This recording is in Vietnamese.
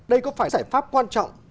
đây có phải giải pháp quan trọng